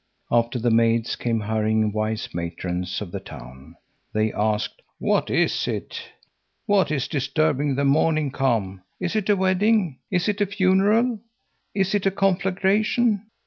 After the maids came hurrying wise matrons of the town. They asked: "What is it? What is disturbing the morning calm? Is it a wedding? Is it a funeral? Is it a conflagration?